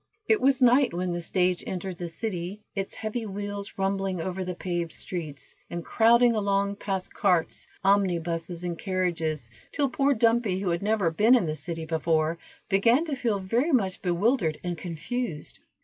It was night when the stage entered the city, its heavy wheels rumbling over the paved streets, and crowding along past carts, omnibuses, and carriages, till poor Dumpy, who had never been in the city before, began to feel very much bewildered and confused.